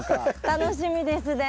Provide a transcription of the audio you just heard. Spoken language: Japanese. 楽しみですね。